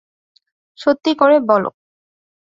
সত্যি করে বল।